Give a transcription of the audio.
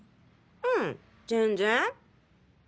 うん全然。